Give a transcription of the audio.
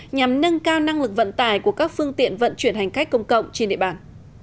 nhằm nâng cao năng lực vận tải của các phương tiện vận chuyển hành khách công cộng trên địa bàn